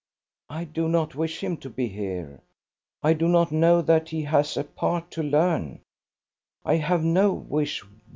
"I do not wish him to be here. I do not know that he has a part to learn. I have no wish.